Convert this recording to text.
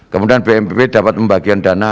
kemudian bnpb dapat membagikan dana